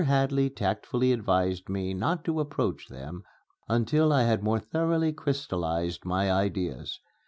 Hadley tactfully advised me not to approach them until I had more thoroughly crystallized my ideas.